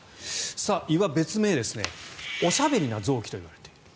胃は別名、おしゃべりな臓器といわれている。